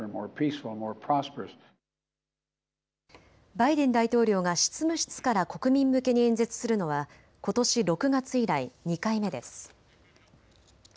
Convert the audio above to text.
バイデン大統領が執務室から国民向けに演説するのはことし６月以来、２回目です。